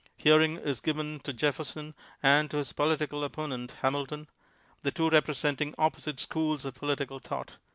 Hearing is given to Jefferson, and to his political opponent Hamilton, the tsvo repre senting opposite schools of political thought.